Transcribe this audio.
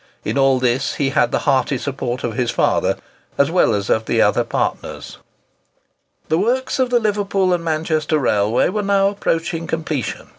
In all this he had the hearty support of his father, as well as of the other partners. The works of the Liverpool and Manchester Railway were now approaching completion.